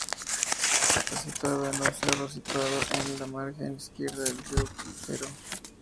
Está situado en un cerro situado en la margen izquierda del río Ucero.